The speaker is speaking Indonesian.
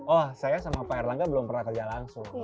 oh saya sama pak erlangga belum pernah kerja langsung